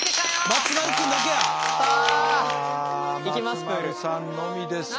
松丸さんのみですか。